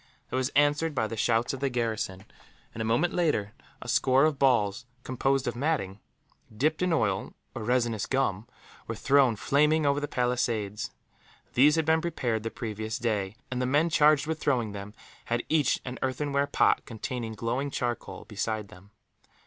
It was answered by the shouts of the garrison and, a moment later, a score of balls composed of matting, dipped in oil or resinous gum, were thrown flaming over the palisades. These had been prepared the previous day, and the men charged with throwing them had each an earthenware pot, containing glowing charcoal, beside them.